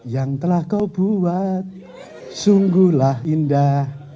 yang telah kau buat sungguhlah indah